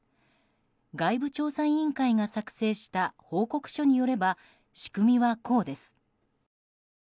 外部調査委員会が作成した報告書によれば仕組みは、こうです。